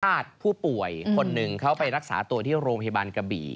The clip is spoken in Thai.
ผู้ป่วยคนหนึ่งเขาไปรักษาตัวที่โรงพยาบาลกะบี่